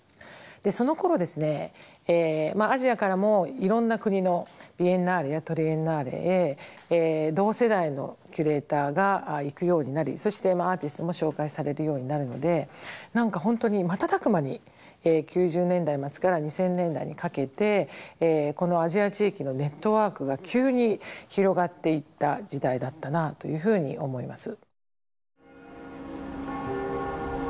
そのころですねアジアからもいろんな国のビエンナーレやトリエンナーレへ同世代のキュレーターが行くようになりそしてアーティストも紹介されるようになるので何か本当に瞬く間に９０年代末から２０００年代にかけてこのアジア地域のネットワークが急に広がっていった時代だったなというふうに思います。